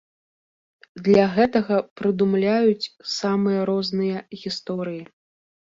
Для гэтага прыдумляюць самыя розныя гісторыі.